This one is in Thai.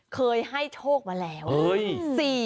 เคยให้โชคมาแล้ว